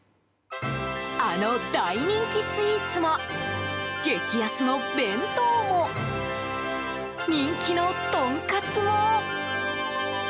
あの大人気スイーツも激安の弁当も人気のとんかつも。